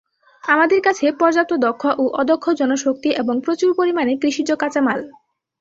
আমাদের আছে পর্যাপ্ত দক্ষ ও অদক্ষ জনশক্তি এবং প্রচুর পরিমাণে কৃষিজ কাঁচামাল।